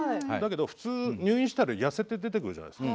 普通、入院したら痩せて出てくるじゃないですか